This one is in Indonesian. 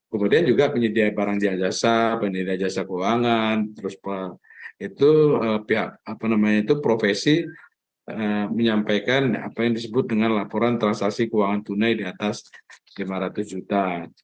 kemudian juga penyedia barang jasa penyedia jasa keuangan itu pihak apa namanya itu profesi menyampaikan apa yang disebut dengan laporan transaksi keuangan tunai di atas lima ratus juta